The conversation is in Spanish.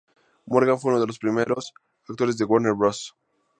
Morgan fue unos de los primeros actores de Warner Bros.